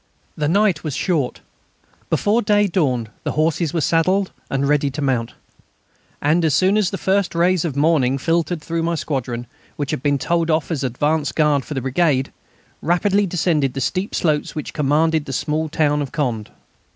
The night was short. Before day dawned the horses were saddled and the men ready to mount. And as soon as the first rays of morning filtered through, my squadron, which had been told off as advance guard of the brigade, rapidly descended the steep slopes which commanded the small town of Condé.